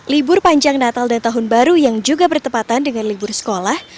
libur panjang natal dan tahun baru yang juga bertepatan dengan libur sekolah